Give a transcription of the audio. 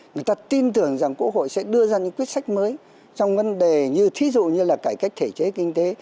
người ta tin tưởng rằng quốc hội sẽ đưa ra những quyết sách mới trong vấn đề như thí dụ như là cải cách thể chế kinh tế